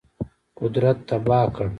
قدرت تباه کړ.